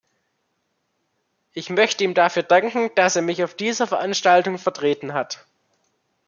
Ich möchte ihm dafür danken, dass er mich auf dieser Veranstaltung vertreten hat.